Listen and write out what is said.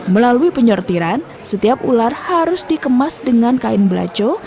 melalui penyortiran setiap ular harus dikemas dengan kain belaco